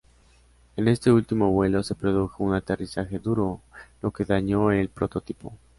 En este último vuelo se produjo un aterrizaje duro, lo que dañó el prototipo.